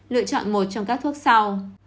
lựa chọn một trong các thuốc sau